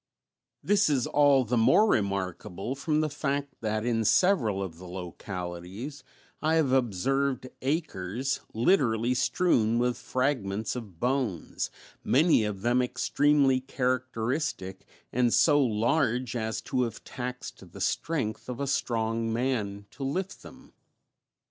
This is all the more remarkable from the fact that in several of the localities I have observed acres literally strewn with fragments of bones, many of them extremely characteristic and so large as to have taxed the strength of a strong man to lift them.